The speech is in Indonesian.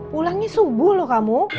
pulangnya subuh loh kamu